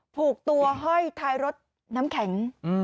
ผูกตัวห้อยท้ายรถน้ำแข็ง